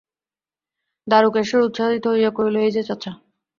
দারুকেশ্বর উৎসাহিত হইয়া কহিল, এই-যে চাচা!